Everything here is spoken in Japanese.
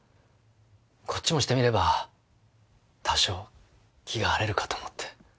こっちもしてみれば多少気が晴れるかと思って。